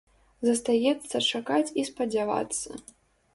Застаецца чакаць і спадзявацца.